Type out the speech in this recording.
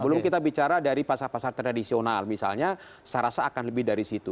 sebelum kita bicara dari pasar pasar tradisional misalnya saya rasa akan lebih dari situ